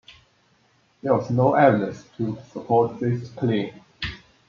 There was no evidence to support this claim.